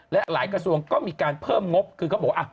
และหลายกระทรวงก็มีการเพิ่มงบคือเขาบอกว่า